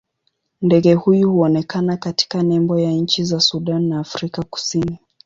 Ndege huyu huonekana katika nembo ya nchi za Sudan na Afrika Kusini.